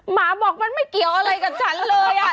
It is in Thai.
หมาบอกมันไม่เกี่ยวอะไรกับฉันเลยอ่ะ